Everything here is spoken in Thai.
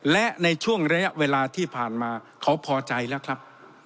และในช่วงระยะเวลาที่ผ่านมาเขาพอใจแล้วครับ